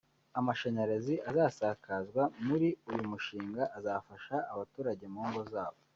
Amashanyarazi azasakazwa muri uyu mushinga azafasha abaturage mu ngo zabo